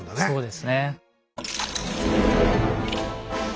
そうですね。